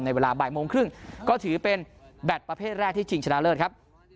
เวลาบ่ายโมงครึ่งก็ถือเป็นแบตประเภทแรกที่ชิงชนะเลิศครับ